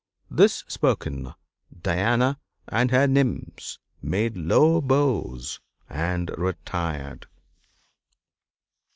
This spoken, Diana and her nymphs made low bows and retired.